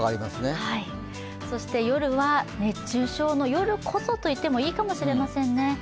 そして夜は熱中症の、夜こそといってもいいかもしれませんね。